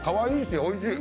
おいしい！